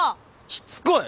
しつこい！